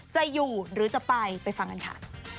จะอยู่หรือจะไปไปฟังกันค่ะ